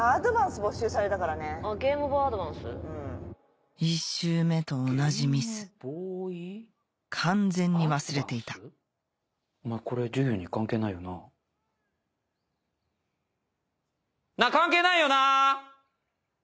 没収されたか１周目と同じミス完全に忘れていたこれ授業に関係ないよな？なぁ関係ないよな